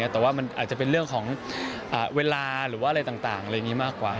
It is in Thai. แต่ว่ามันอาจจะเป็นเรื่องของเวลาหรือว่าอะไรต่างอะไรอย่างนี้มากกว่า